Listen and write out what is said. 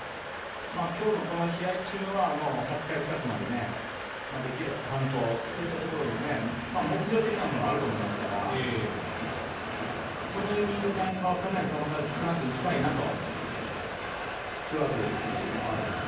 今日のこの試合というのは８回近くまでできれば完投、そういったところで目標的なものはありますからこのイニングなんかはかなり球数少なくいきたいと、ツーアウトですし。